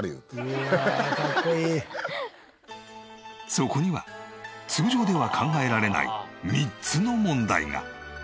そこには通常では考えられない３つの問題が。